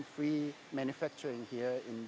di vanaheerang ini